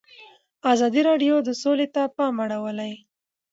ازادي راډیو د سوله ته پام اړولی.